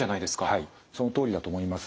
はいそのとおりだと思います。